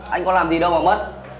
anh có làm gì đâu mà mất